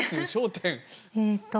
えっと。